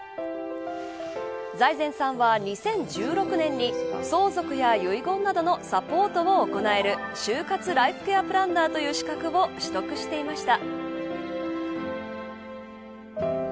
財前さんは２０１６年に相続や遺言などのサポートを行える終活ライフケアプランナーという資格を取得していました。